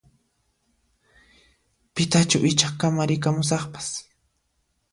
Pitachu icha kamarikamusaqpas?